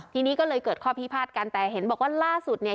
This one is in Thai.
ทีนี้ก็เลยเกิดข้อพิพาทกันแต่เห็นบอกว่าล่าสุดเนี่ย